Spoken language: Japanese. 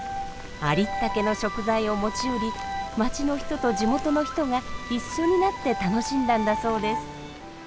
ありったけの食材を持ち寄り町の人と地元の人が一緒になって楽しんだんだそうです。